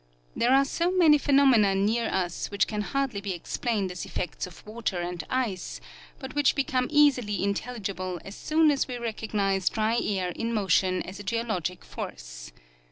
There are so many phenomena near us which can hardly be explained as effects of water and ice, but which be come easily intelligible as soon as we recognize dry air in motion as a geologic force.